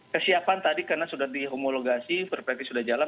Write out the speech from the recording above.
kesiapan tadi karena sudah dihomologasi free practice sudah jalan